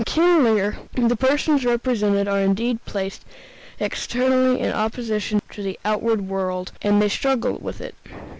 In "King Lear" the persons represented are indeed placed externally in opposition to the outward world, and they struggle with it.